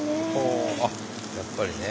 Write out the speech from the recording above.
やっぱりね。